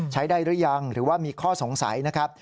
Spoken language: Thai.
ใช้ได้หรือยังหรือว่ามีข้อสงสัยนะครับ